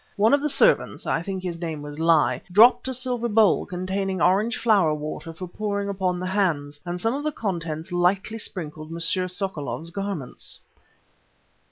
One of the servants, I think his name was Li, dropped a silver bowl containing orange flower water for pouring upon the hands, and some of the contents lightly sprinkled M. Sokoloff's garments.